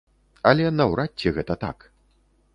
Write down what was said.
Але наўрад ці гэта так.